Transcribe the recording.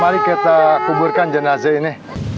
mari kita kuburkan jenazah ini